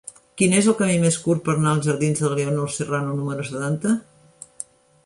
Quin és el camí més curt per anar als jardins de Leonor Serrano número setanta?